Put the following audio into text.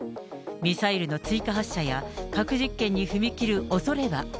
ミサイルの追加発射や核実験に踏み切るおそれは？